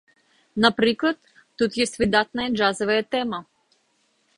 Напрыклад, тут ёсць выдатная джазавая тэма.